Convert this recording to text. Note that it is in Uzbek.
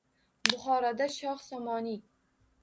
Buxoroda shoh Somoniy